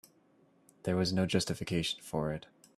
There was no justification for it.